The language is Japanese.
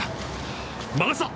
任せた！